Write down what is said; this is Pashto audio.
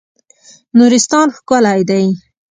نورستان ښکلی دی.